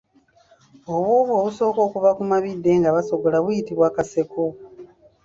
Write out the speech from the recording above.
Obwovu obusooka okuva ku mabidde nga basogola buyitibwa kaseko.